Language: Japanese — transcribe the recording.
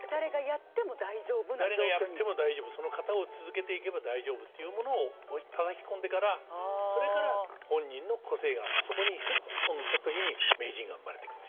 その型を続けていけば大丈夫っていうものをたたき込んでからそれから本人の個性がそこにふっと乗った時に名人が生まれてくるんでしょうね。